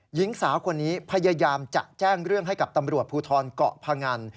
หญิงสาวคนนี้พยายามจะแจ้งเรื่องให้กับตำรวจภูทรเกาะพงัน